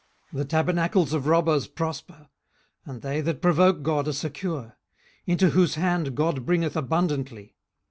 18:012:006 The tabernacles of robbers prosper, and they that provoke God are secure; into whose hand God bringeth abundantly.